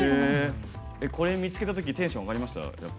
これ見つけたときテンション上がりました？